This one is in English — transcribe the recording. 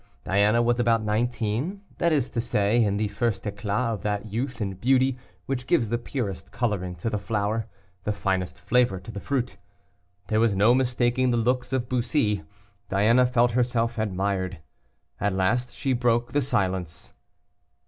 Diana was about nineteen, that is to say in the first éclât of that youth and beauty which gives the purest coloring to the flower, the finest flavor to the fruit. There was no mistaking the looks of Bussy; Diana felt herself admired. At last she broke the silence.